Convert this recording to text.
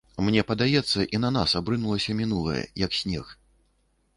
Мне падаецца, і на нас абрынулася мінулае, як снег.